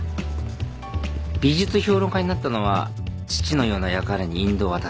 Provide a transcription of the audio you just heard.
美術評論家になったのは父のようなやからに引導を渡すため。